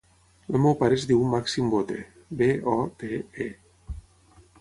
El meu pare es diu Màxim Bote: be, o, te, e.